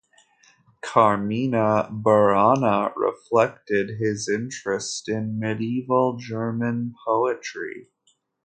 "Carmina Burana" reflected his interest in medieval German poetry.